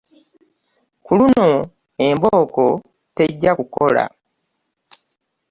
Ku luno embooko tejja kukola.